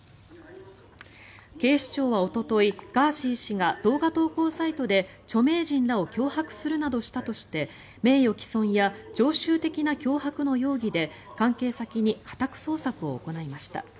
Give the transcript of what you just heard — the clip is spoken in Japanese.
警視庁はおととい、ガーシー氏が動画投稿サイトで著名人らを脅迫するなどしたとして名誉毀損や常習的な脅迫の容疑で関係先に家宅捜索を行いました。